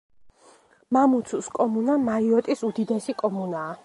მამუცუს კომუნა მაიოტის უდიდესი კომუნაა.